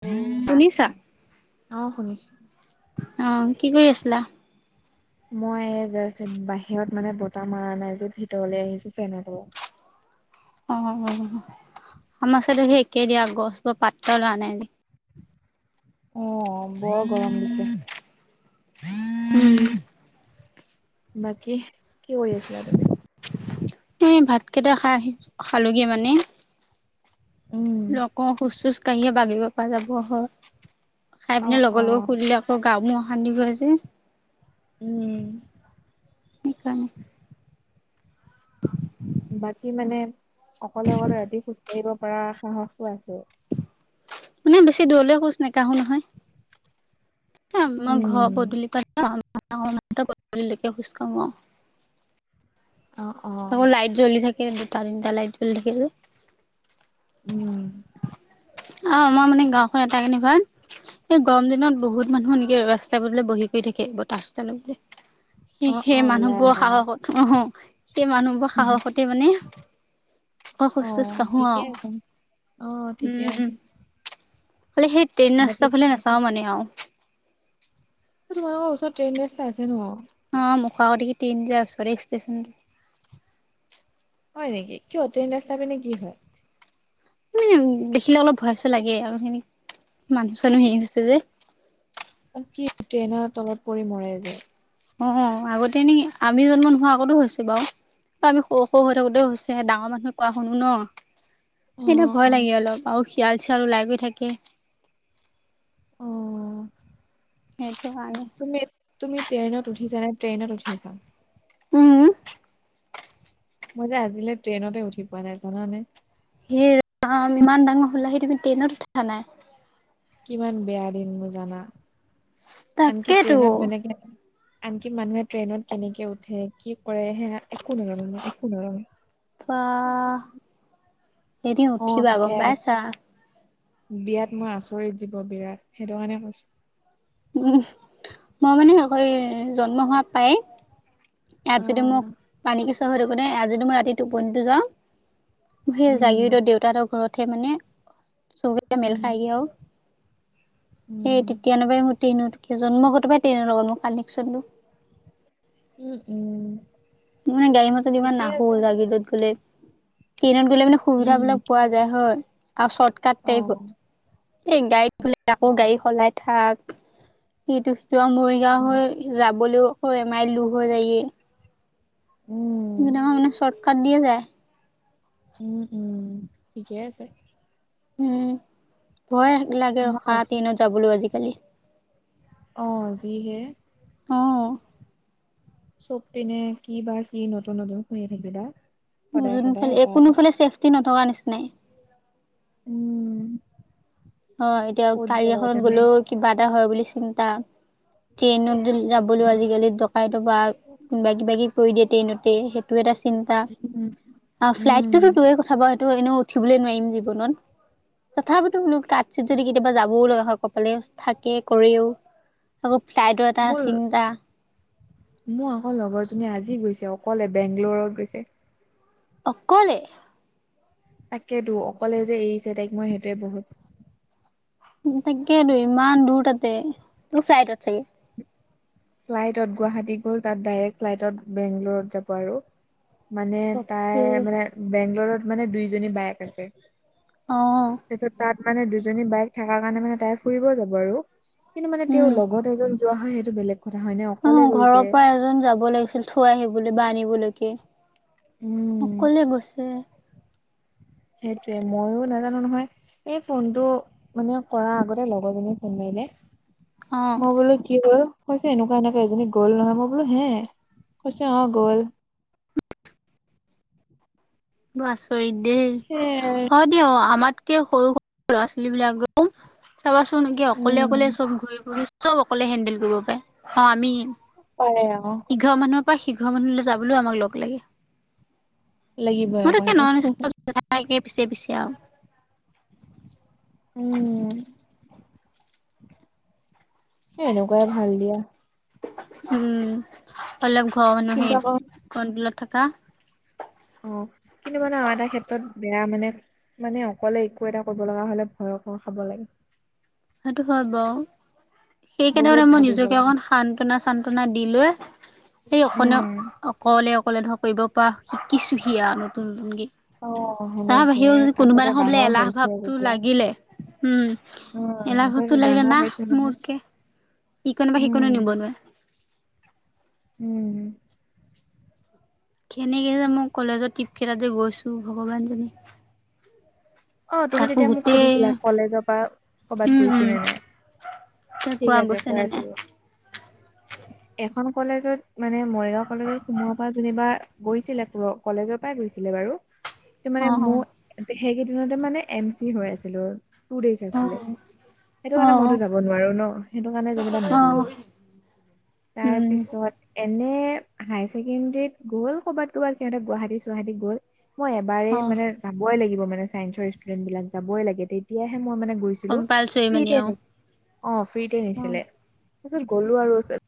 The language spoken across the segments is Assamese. টো আত, শুনিছা অ শুনিছোঁ। অ কি কৰি আছিলা? মই জাষ্ট বাহিৰত মানে বতাহ মৰা নাই যে ভিতৰলৈ আহিছো ফেনৰ তলত। অ অ, আমাৰ চাইদে সেই একেই দিয়া গছবোৰ পাত্ৰ লোৱা নাই অ বৰ গৰম দিছে। উম। বাকী কি কৰি আছিলা তুমি? এই ভাত কেইটা খাই খালোগে মানে লগৰ শোজ - চোজ কাঢ়িয়ে বাগিব পৰা যাব হয়। খাই অ পিনে অ লগে-লগে শুই দিলে আকৌ গা মো অশান্তি কৰে যে। উম। সেইকাৰণে। [unintelligible] বাকী মানে অকলে - অকলে ৰাতি খোজ কঢ়িব পৰা সাহসো আছে। মানে বেছি দূৰলে খোজ নেকাহো নহয়, মই ঘৰ উম পদূলি পাল [inaudible] পদূলি লৈকে‌ খোজ কাঢ়ো‌ আও। অ অ আকৌ লাইট জ্বলি থাকে দুটা - তিনিটা লাইট জ্বলি থাকে যে। উম অ আমাৰ মানে গাঁওখন এটা কাৰনে ভাল এই গৰম দিনত বহুত মানুহ এনেকে ৰাস্তাই পদূলিয়ে বহি কৰি থাকে বতাহ চতাহ লবলে। সি অ সেই অ ওলাই মানুহবোৰৰ আহে মানে সাহসত অ সেই মানুহবোৰৰ সাহসতে মানে ক অ খোচ সোচ কঢ়ো আও ঠিকে আছে অ ঠিকে আছে উম এফালে সেই ট্ৰেইন বাকী ৰাস্তা ফালে নাচাও মানে আও তোমালোকৰ ওচৰত ট্ৰেন ৰাস্তা আছে ন? অ মুখৰ‌ আগৰেদি ট্ৰেইন যায় ওচৰে ষ্টেচন টো হয় নেকি কিয় ট্ৰেইন ৰাস্তা পিনে কি হয়? মেয়ঙ দেখিলে অলপ ভয় ছয় লাগে আও সেনিক মানুহ চানুহ সেই হৈছে যে কি ট্ৰেইনৰ তলত পৰি মৰে যে অ আগতে এনেই আমি জন্ম নোহোৱা আগতো হৈ হৈছে বাও এ আমি সৰু সৰু হৈ থাকো তেওঁ হৈছে ডাঙৰ মানুহে কোৱা শুনো ন সেইটো অ', ভয় অ'। লাগে অলপ আৰু শিয়াল চিয়াল ওলাই গৈ থাকে অ সেইটো কাৰণে তুমি তুমি ট্ৰেইনত উঠিছা নে ট্ৰেইনত উঠিছা? উম মই যে আজিলে ট্ৰেইনতে উঠি পোৱা নাই জানানে, সেই ৰাম ইমান ডাঙৰ হলাহি তুমি ট্ৰেইনত উঠা নাই। কিমান বেয়া দিন মোৰ জানা? আনকি তাকেতো ট্ৰেইনত মানেকে আনকি মানুহে ট্ৰেইনত কেনেকে উঠে কি কৰে হেয়া একো নাজানো মই একো বা নাজানো এদিন উঠিবা গম পাইছা বিয়াত মই আচৰিত দিব বিৰাট সেইটো কাৰণে কৈছো উম মই মানে আকৌ জন্ম হোৱা পায়। ইয়াত যদি মোক অ', পানীকেঁচুৱা হৈ থাকোত ইয়াত যদি মই ৰাতি টোপনিটো যাওঁ। সেই উম, জাগিৰোডৰ দেউতাৰ হতৰ ঘৰত হে মানে চকু কেইটা। মেল উম, খাইগে আও উম, সেই তেতিয়ানো পায় মোৰ ট্ৰেইনত। কেই জন্মগতৰ পৰাই‌ ট্ৰেনৰ লগত মোৰ কানেকচন। উম উম মানে গাড়ী মটত ইমান ঠিকে নাহো‌ আছে, জাগিৰোড গ'লে ট্ৰেইনত গ'লে মানে উম, সুবিধাবিলাক পোৱা যায় হয় আৰু চৰ্টকাটত অ', এইবোৰ এই গাড়ীত গলে। আকৌ অ', গাড়ী সলাই থাক সেইটো সেইটো আৰু মৰিগাও উম। হৈ যাবলৈও আকৌ এমাইল দুৰ হৈ যায় গে উম, গোটেইখন মানে চৰ্ট কাট দিয়ে যায় উম উম ঠিকে আছে উম ভয় লাগে মই ৰখা উঠ- ট্ৰেইনত যাবলৈও আজিকালি। অ যিহে অ চব পিনে কি বা কি নতুন নতুন শুনি থাকে বা। মো যোনফালে কোনোফালে ছেফটি নথকা নিচিনাই? উম হয় এতিয়া ক'ত গাড়ী যাবা এখনত তুমি? গ'লেও কিবা এটা হয় বুলি চিন্তা। ট্ৰেইনত যাবলৈও উম, আজিকালি ডকাইত পা। কোনবা কিবা কিব কৰি দিয়ে ট্ৰেইনতে সেইটো এটা চিন্তা উম, ফ্লাইটটোতো দুয়ে ক থা সেটো এনেও উঠিবলৈ নোৱাৰিম জীৱনত তথাপিতো বোলো কাত। চিত যদি কেতিয়া যাবও লগা হয় কপালে থাকে কৰিও। আকৌ ফ্লাইড এটা মোৰ চিন্তা। মোৰ আকৌ লগৰজনীয়ে আজি গৈছে অকলে বেংগলৰত গৈছে। অকলে তাকেতো অকলে যে এৰিছে তাইক মই সেইটোৱে বহুত। তাকেইতো ইমান দূৰ তাতে, তোৰ চাইডত চাগে? ফ্লাইটত গুৱাহাটীত গ'ল তাত ডাইৰেক্ট ফ্লাইটত বেংগলৰত যাব আৰু। মানে তাই বাপৰে মানে বেংগলৰত মানে দুইজনী বাইক আছে। অ তাৰপিছত তাত মানে দুজনী বাইক থাকা কাৰণে মানে তাই ফুৰিব যাব আৰু। কিন্তু মানে উম তেওঁৰ লগত এজন যোৱা হয় সেইটো বেলেগ কথা হয় নে অ অ ঘৰৰ পৰা এজন যাব লাগিছিল থৈ আহিবলৈ বা আনিবলৈকে। উম। অকলে গছে। সেইটোয়ে মইয়ো নাজানো নহয়। এই ফোনটো মানে কৰাৰ আগতে লগৰজনীয়ে ফোন মাৰিলে। অ মই বলো কি হল? কৈছে এনেকুৱা এনেকুৱা এজনী গ'ল নহয়? মই বোলো হে! কৈছে অঁ গ'ল। [unintelligible] আচৰিত দেই, সেয়াই আৰু অ দিয় আমাতকে সৰু - সৰু ল'ৰা ছোৱালীবিলাকৰ ম চাবাচোনকি অকলে উম অকলে চব ঘূৰি - ঘুৰি চব অকলে হেন্দেল কৰিব পাৰে। অ আমি, পাৰে আকৌ ইঘৰ মানুহৰ পৰা সিঘৰ মানুহলৈ যাবলৈও আমাক লগ লাগে। লাগিবই মইতাকে আকৌ তাকে নন সেইটো ষ্টপ জাকে পিছে পিছে আৰু। উম। এ এনেকুৱাই ভাল দিয়া। উম অলপ ঘৰ কিন্তু মানুহেই আকৌ কণুলত থাকা। অ কিন্তু মানে আৰু এটা ক্ষেত্ৰত বেয়া মানে মানে অকলে একো এটা কৰিব লগা হলে ভয়কৰ খাব লাগে। সেইটো হয় বাৰ, সেইকেইটা বহুত মানে মই ভাবিব নিজকে লাগে অকণ সা আন্তনা - চান্তনা দি লৈ সেই অকণীয়া উম অ কলে অকলে ধৰ কৰিব পৰা শিকিছোহি আৰু নতুন - নতুন অ গীত। তাৰ সেনেকে বাহিৰেও যদি কোনোবা আগতে নহয় বোলে ডাঙৰ এলাহ হৈছে ভাৱটো যেতিয়া লাগিলে, উম। উম এলাহ তই ভাৱটো লাগিলে ডাঙৰ না হৈছো নহয় মোৰকে, ইকণ পা সিকনো উম নিব নোৱাৰে। উম। কেনেকে যে মই কলেজৰ ট্ৰিপকেইটাতে গৈছোঁ ভগৱানজনী। অ তুমি তেতিয়া মোক গোটেই সুধিছিলা কলেজৰ পৰা ক'বাত উম, উম, গৈছো নে নাই? এতিয়া ঠিক কোৱা আছে গৈছে পৈ নে আছো নাই? ৰ। এখন কলেজত মানে মৰিগাঁও কলেজত সোমোৱাৰ পৰা যেনিবা গৈছিলে তুলোক কলেজৰ পৰাই গৈছিলে বাৰু। ত মানে অ', অ', মোৰ সেইকেইদিনতে মানে এম চি হৈ আছিলো টু ডেইজ আছিলে। অ', সেইটো কাৰণে অ', অ'। মইতো যাব নোৱাৰো ন, সেইটো কাৰণে যেনিবা অ', নগ'লো। তাৰ উম, পিছত এনে হায় ছেকেণ্ডাৰীত গ'ল কবাত - কবাত সিহঁতে গুৱাহাটী - চুৱাহাটীত গ'ল। মই এবাৰেই অ', মানে যাবই লাগিব মানে চায়েঞ্চৰ ষ্টুডেন্টবিলাক যাবই লাগে তেতিয়াহে মই মানে গৈ চিলোঁ, কম্পালচৰি মানে ফ্ৰীতে অ', নিছিলে অ ফ্ৰীতে অ', নিছিলে, তাৰপিছত গলো আৰু চে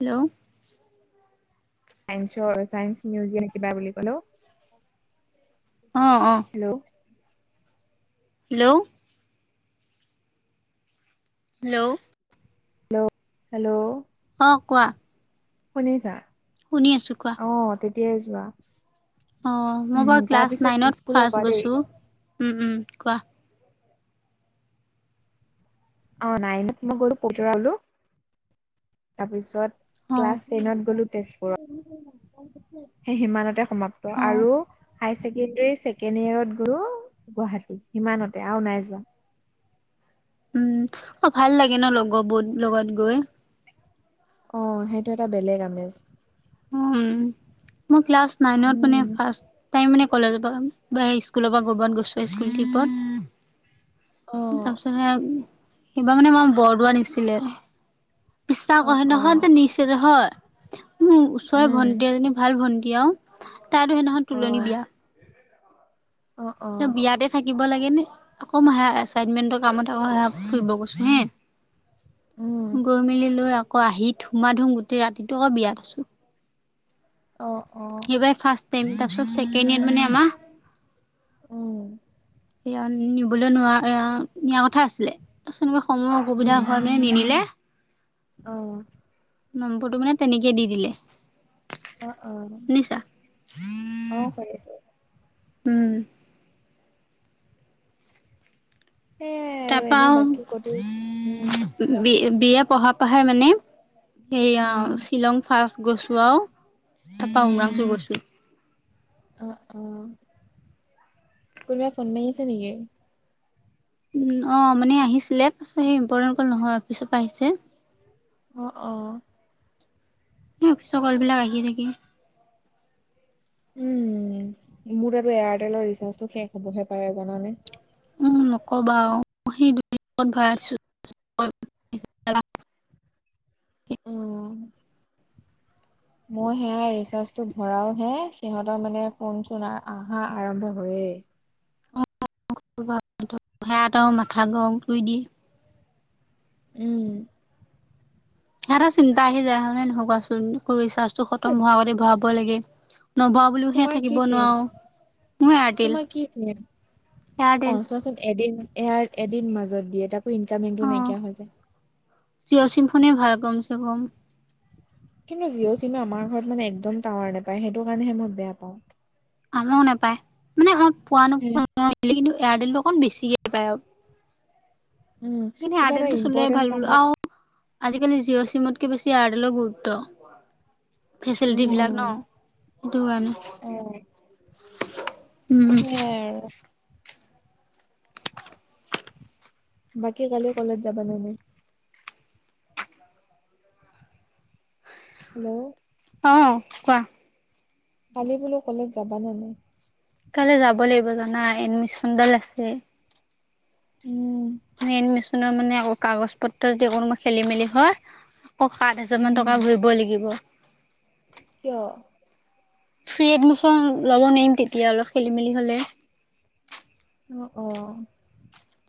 হেল্ল'? চাইন্সৰ চাইন্স মিউজিয়াম কিবা বুলি কলো। অ অ। Hello hello? Hello! Hello! Hello? অ কোৱা? শুনিছা? শুনি আছো কোৱা? অ তেতিয়াই যোৱা। অ' মই উম বাৰু তাৰ ক্লাছ পিছত নাইনত স্কুলৰ পৰা ফাৰ্ষ্ট দেই গৈছো। উ উম কোৱা, অ' নাইনত মই গৈ পুটোৰালো, তাৰপিচত অ', ক্লাছ টেনত গ'লো তেজপুৰত, সেই সিমানতে সমাপ্ত অ', আৰু হাই ছেকেণ্ডৰী ছেকেণ্ড ইয়েৰত গলো গুৱাহাটী সিমানতে আৰু নাই যোৱা। উম অ' ভাল লাগে ন লগ বো লগত গৈ। অ' সেইটো এটা বেলেগ আমেজ। উম মই ক্লাছ নাইনত মানে উম। ফাৰ্ষ্ট, তাই মানে কলেজৰ পৰা বা স্কুলৰ পৰা কবাত গৈছো স্কুল ট্ৰিপত। অ তাৰপিছত সেয়া সেইবাৰ মানে আমাক বৰদোৱা নিছিলে। বিশ্বাস অ কৰা অ সেইদিনাখন যে নিছে নহয় ওচৰে উম। ভণ্টি এজনী ভাল ভণ্টি আৰু, তাইৰটো সেদিনাখন অ তোলনি বিয়া। অ অ এ বিয়াতে থাকিব লাগে নে আকৌ মে হেয়া এচাইনমেন্টৰ কামত আকৌ সেয়া ফুৰিব গৈছো হে। উম গৈ মেলি লৈ আকৌ আহি ধুমা ধুম গোতেই ৰাতিটো আকৌ বিয়াত আছো। অ- অ সেইবাৰ ফাৰ্ষ্ট টাইম তাৰ পিছত ছেকেণ্ডয়েৰত মানে আমাৰ, উম। সেয়া নিবলৈ নোৱাৰা নিয়াৰ কথা আছিলে। [unintelligible] সময়ৰ অসুবিধা উম। হয় নে নিনিলে। অ নম্বৰটো মানে তেনেকে দি দিলে। অ- অ শুনিছা। অ ' পাৰিছো। উম। সেইয়াই আৰু এনে বাকী কতো, কোৱা। বি বি এ পঢ়া পঢ়াই মানে সেয়া উম শ্বিলং ফাৰ্ষ্ট। গৈছোঁ আও তাৰপা উম উমৰাংছু গৈছোঁ। অ' অ' কোনোবাই ফোন মাৰি আছে নেকি? অ' মানে আহিছিলে এ ইম্পৰ্টেণ্ট কল নহয় অফিচৰ পা আহিছে। অ' অ' সেই অফিচৰ কলবিলাক আহি থাকে। উম মোৰ তাতো এয়াৰটেলৰ ৰিচাৰ্জটো শেষ হবহে পাৰে জানানে, উম নক'বা আৰু সেই [unintelligible] অ' মই সেয়া ৰিচাৰ্জটো ভৰাওহে সিহঁতৰ মানে ফোনচোন আহা আহা আৰম্ভ হয়েই। সিহঁতৰো মাথা গৰম কৰি দিয়ে। উম। কিবা এটা চিন্তা আহি যায় হয় নে নহয় কোৱাচোন ৰিচাৰ্জটো খতম হোৱাৰ আগতে ভৰাবই লাগে নভৰা, বোলো সেই তোমাৰ কি থাকিব চিম নোৱাৰোঁ, মোৰো এয়াৰটেল। এয়াৰটেল অ'চোৱাচোন এদিন এয়াৰ এদিন মাজত দিয়ে তাকো ইনকামিং অ'। টো নাইকিয়া হৈ যায়। জিঅ' চিম খনেই ভাল কমচেকম। কিন্তু জিঅ' চিমে আমাৰ ঘৰত মানে একদম টাৱাৰ নেপায় সেইটো কাৰণেহে মই বেয়া পাওঁ। আমাৰো নাপায় মানে পোৱা নোপোৱা কিন্তু এয়াৰটেলটো অকণ বেছিকে পায় আৰু। উম, সি কিবা এটা এয়াৰটেলটো চলোৱাই ইম্পৰ্টেণ্ট ভাল বুলো কামত আও। আজিকালি জিঅ' চিমতকে বেছি এয়াৰটেলৰ গুৰুত্ব। ফেচিলিটি বিলাক ন' উম। সেইটো কাৰণে অ' উম সেয়াই আৰু বাকী কালি কলেজ যাবা নে নাই? হেল্ল'। অ' কোৱা? কালি বোলো কলেজ যাবা নে নাই? সোনকালে যাব লাগিব জানা এডমিশনডাল আছে। উম মেইন মেচিনৰ মানে কাগজ পত্ৰ যদি কোনোবা খেলি মেলি হয় অ সাত হাজাৰ মান উম, টকা ভৰিব লাগিব কিয়? ফ্ৰী এডমিছন ল'ব নোৱাৰিম তেতিয়া অলপ খেলি মেলি হলে অ অ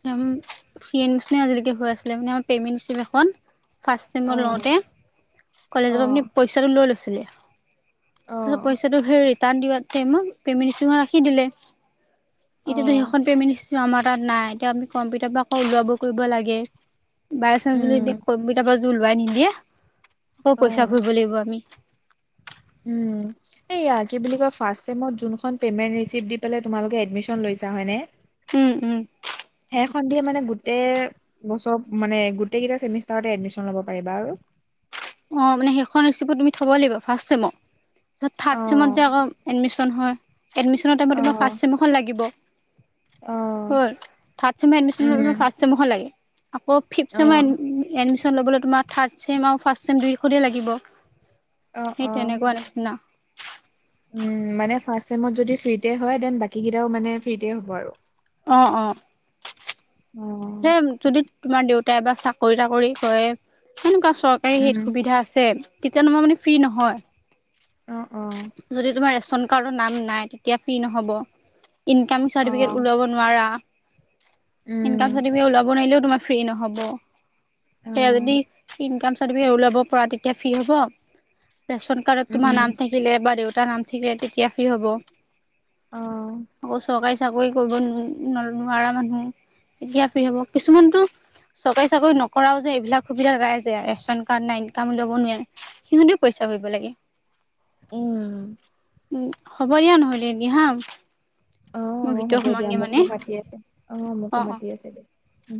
ফ্ৰী এডমিছনেই আজিলেকে হৈ আছিলে মানে আমাৰ পে'মেণ্ট ৰিচিপ এখন ফাৰ্ষ্ট টাইমত অ', লওঁতে কলেজক আপুনি অ', পইচাটো লৈ লৈছিলে তাৰপাছত পইচাটো সেই ৰিটাৰ্ণ দিয়া টাইমত পেমেট ৰিচিপ্ট খন ৰাখি দিলে। এতিয়াতো অ', সেইখন পেমেণ্ট ৰিচিপ আমাৰ তাত নাই এতিয়া আমি কম্পিউটাৰ পৰা আকৌ ওলাব কৰিব লাগে বায় চানঞ্চ বুলি এ উম, কম্পিউটাৰ পৰা যদি ওলোৱাই নিদিয়ে আকৌ পইচা অ', ভৰিব লাগিব আমি উম এইয়া কি বুলি কই ফাষ্ট চেমত যোনখন পেমেণ্ট ৰিচিপ দি পেলে তোমালোকে এডমিচন লৈছা হয় নে উম উম সেইখন দিয়ে মানে গোটেই বছৰ মানে গোটেই কেইটা চেমিষ্টাৰটে এডমিচন ল'ব পাৰিবা আৰু অ মানে সেইখন ৰেচিপো তুমি থব লাগিব ফাৰ্ষ্ট চেমৰ থাৰ্ড চেমত যে অ', আকৌ এডমিছন হয় এডমিচনৰ টাইমত অ', তোমাৰ ফাৰ্ষ্ট চেমৰখন লাগিব অ', হল থাৰ্ড চেমে এডমিচন উম, ফাৰ্ষ্ট চেমৰ লাগে আকৌ ফিপ্ত চেমৰ অ', এডমিচন ল'বলৈ তোমাৰ থাৰ্ড চেম ফাৰ্ষ্ট চেম দুইখনেই লাগিব অ', সেই অ'। তেনেকুৱা নিচিনা উম মানে ফাৰ্ষ্ট চেমত যদি ফ্ৰীতে হয় দেন বাকী কেইটাও মানে ফ্ৰীতে হ'ব আৰু অঁ অঁ অ', সেই যদি তোমাৰ দেউতাই বা চাকৰি তাকৰি কৰে সেনেকুৱা চ আৰু সেই উম। সুবিধা আছে তেতিয়া তোমাৰ মানে ফ্ৰী নহয় অ অ যদি তোমাৰ ৰেচন কাৰ্ডত নাম নাই, তেতিয়া ফ্ৰী নহব ইনকাম চাৰ্টিফিকেট অ', ওলাব নোৱাৰা, ইনকাম উম, চাৰ্টিফিকেট ওলাব নোৱাৰিলেও তোমাৰ ফ্ৰী নহব। অ', সেয়া যদি ইনকম চাৰটিফিকেট ওলাব পৰা তেতিয়া ফ্ৰী হ'ব। ৰেচন কাৰ্ডত তোমাৰ উম, নাম থাকিলে বা দেউতাৰ নাম থাকিলে তেতিয়া কি হ'ব অ', চৰকাৰী চাকৰি কৰিব ন নোৱাৰা মানুহ তেতিয়া ফ্ৰী হ'ব কিছুমানতো চৰকাৰী চাকৰি নকৰাও যে এইবিলাক সুবিধা পাই যে ৰেচন কাৰ্ড নাই ইনকাম ল'ব নোৱাৰে সিহঁতিও পইচা ভৰিব লাগে উম উম হ'ব দিয়া নহ'লে এতিয়া হা অ মই অ ভিতৰত হ'ব দিয়া সোমাওঁগে মানে মোকো মাতি আছে অ মোকো মাতি আছে দিয়া উম।